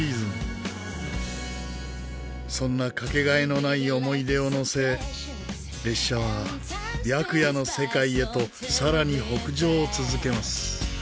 そんなかけがえのない思い出を乗せ列車は白夜の世界へとさらに北上を続けます。